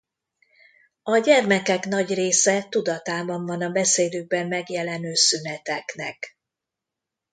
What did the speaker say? A gyermekek nagy része tudatában van a beszédükben megjelenő szüneteknek.